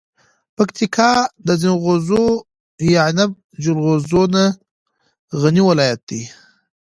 پکتیکا د زنغوزو یعنب جلغوزو نه غنی ولایت ده.